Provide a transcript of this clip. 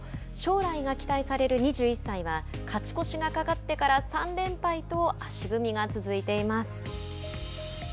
将来が期待される２１歳は勝ち越しがかかってから３連敗と足踏みが続いています。